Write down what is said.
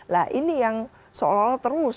nah ini yang seolah olah terus